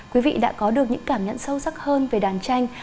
quý vị đã có được những cảm nhận sâu sắc hơn về đàn tranh